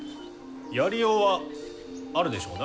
やりようはあるでしょうな。